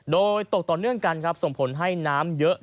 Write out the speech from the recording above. โดยตกต่อเนื่องกันครับส่งผลให้น้ำเยอะ